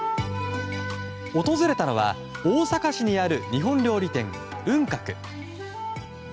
訪れたのは大阪市にある日本料理店、雲鶴。